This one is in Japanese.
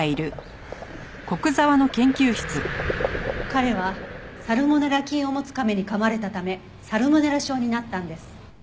彼はサルモネラ菌を持つ亀にかまれたためサルモネラ症になったんです。